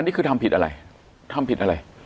อันนี้คือทำผิดอะไร